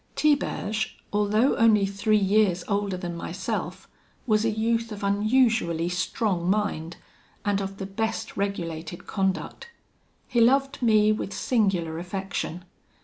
"Tiberge, although only three years older than myself, was a youth of unusually strong mind, and of the best regulated conduct. He loved me with singular affection.